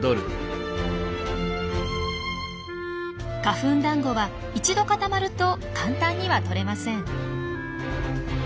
花粉だんごは一度固まると簡単には取れません。